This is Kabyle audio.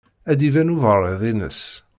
Ad d-iban uberriḍ-ines.